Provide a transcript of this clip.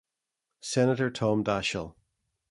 Senator Tom Daschle.